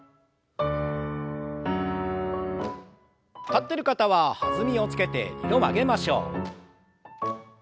立ってる方は弾みをつけて２度曲げましょう。